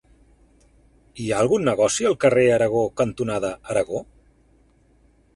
Hi ha algun negoci al carrer Aragó cantonada Aragó?